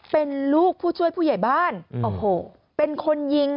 เป็นลูกผู้ช่วยผู้ใหญ่บ้านโอ้โหเป็นคนยิง